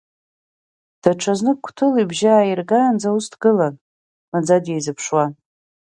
Даҽазнык Қәҭыл ибжьы ааиргаанӡа ус дгылан, маӡа дизыԥшуа.